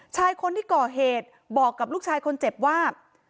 ชายคนที่ก่อเหตุบอกกับลูกชายคนเจ็บว่า